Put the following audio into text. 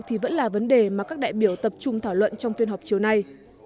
thì vẫn là vấn đề mà các đại biểu tập trung thảo luận trong phiên họp chiều nay